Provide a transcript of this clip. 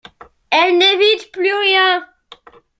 Elle n’évite plus rien.